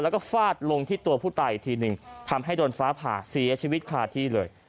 แล้วก็ฟาดลงที่ตัวผู้ตายอีกทีหนึ่งทำให้โดนฟ้าผ่าเสียชีวิตคาที่เลย